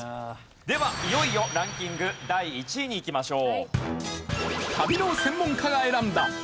ではいよいよランキング第１位にいきましょう。